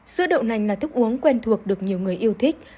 sữa đậu nành là thức uống quen thuộc được nhiều người yêu thích